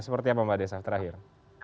seperti apa mbak desaf terakhir